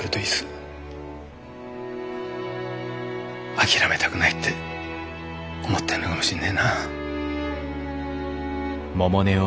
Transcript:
諦めたくないって思ってんのかもしんねえな。